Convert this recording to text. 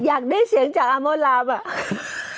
อยากได้เสียงจากอาร์โม่นราม